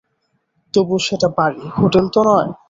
তবু সেটা বাড়ি, হোটেল তো নয়।